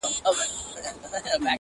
د ټپې په اله زار کي يې ويده کړم,